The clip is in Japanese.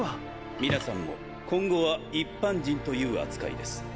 皆さんも今後は一般人という扱いです。